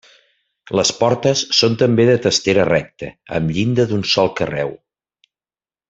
Les portes són també de testera recta, amb llinda d'un sol carreu.